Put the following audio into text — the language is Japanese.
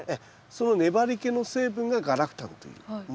その粘りけの成分がガラクタンというものですね。